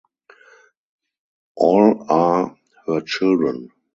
All are her children.